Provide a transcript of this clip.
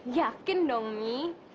yakin dong mi